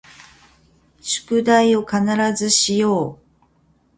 宿題を必ずしよう